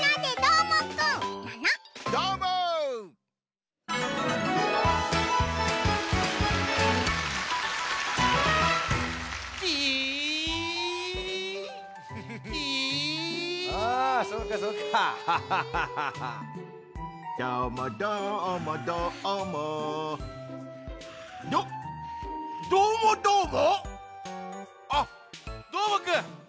あっどーもくん！